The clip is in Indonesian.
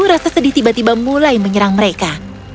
rasa sedih tiba tiba mulai menyerang mereka